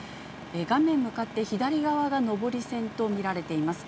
画面向かって左側が上り線と見られています。